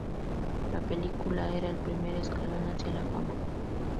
La película era el primer escalón hacia la fama.